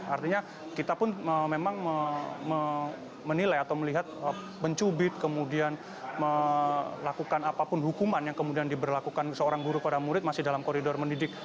artinya kita pun memang menilai atau melihat mencubit kemudian melakukan apapun hukuman yang kemudian diberlakukan seorang guru pada murid masih dalam koridor mendidik